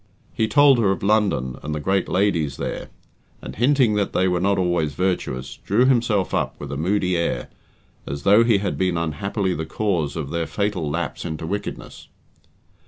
He told her of London and the great ladies there, and hinting that they were not always virtuous, drew himself up with a moody air, as though he had been unhappily the cause of their fatal lapse into wickedness.